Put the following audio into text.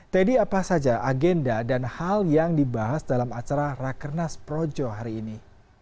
teddy apa saja agenda dan hal yang dibahas dalam acara rakernas projo hari ini